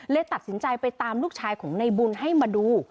ตัดสินใจไปตามลูกชายของในบุญให้มาดู